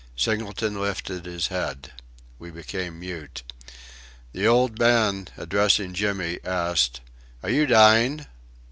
Singleton lifted his head. We became mute. The old man, addressing Jimmy, asked: "Are you dying?"